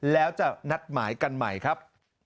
แล้วจะนัดหมายกันใหม่ครับ